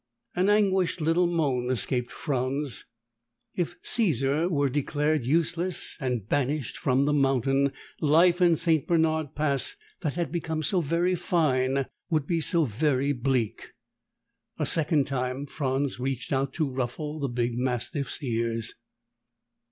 An anguished little moan escaped Franz. If Caesar were declared useless and banished from the mountain, life in St. Bernard Pass, that had become so very fine, would be so very bleak. A second time Franz reached out to ruffle the big mastiff's ears.